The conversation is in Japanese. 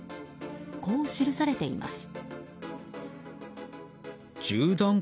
こう記されています。